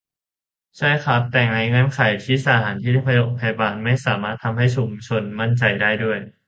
ใช่ครับ แต่ก็ในเงื่อนไขที่สถานพยาบาลไม่สามารถทำให้ผู้ชุมนุมมั่นใจได้ด้วย